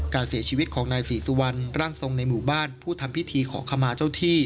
การเสียชีวิตของนายศรีสุวรรณร่างทรงในหมู่บ้านผู้ทำพิธีขอขมาเจ้าที่